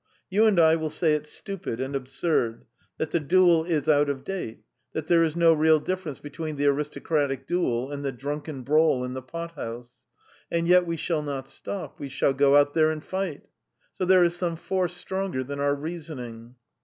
You and I will say it's stupid and absurd, that the duel is out of date, that there is no real difference between the aristocratic duel and the drunken brawl in the pot house, and yet we shall not stop, we shall go there and fight. So there is some force stronger than our reasoning.